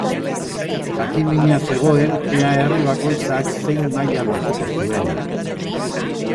Jakin-mina zegoen ea herri bakoitzak zein maila lortuko zuen.